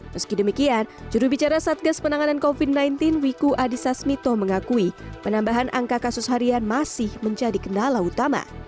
meski demikian jurubicara satgas penanganan covid sembilan belas wiku adhisa smito mengakui penambahan angka kasus harian masih menjadi kendala utama